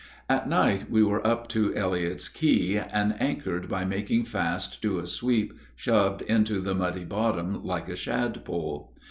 At night we were up to Elliott's Key, and anchored by making fast to a sweep shoved into the muddy bottom like a shad pole.